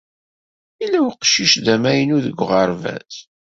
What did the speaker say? Yella uqcic d amaynu deg uɣerbaz.